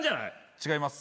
違います。